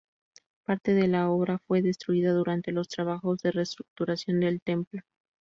Parte de la obra fue destruida durante los trabajos de reestructuración del templo.